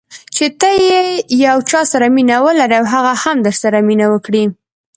چې ته د یو چا سره مینه ولرې او هغه هم درسره مینه وکړي.